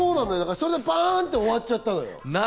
それでバンって終わっちゃったのよ。